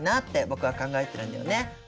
僕は考えてるんだよね。